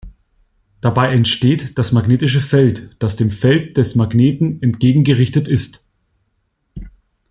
Dabei entsteht das magnetische Feld, das dem Feld des Magneten entgegengerichtet ist.